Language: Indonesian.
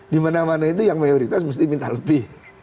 di mana mana itu yang mayoritas mesti minta lebih